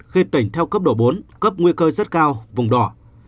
khi tỉnh theo cấp độ bốn cấp nguy cơ rất cao vùng đỏ